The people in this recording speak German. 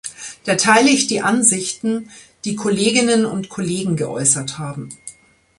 Da teile ich die Ansichten, die Kolleginnen und Kollegen geäußert haben.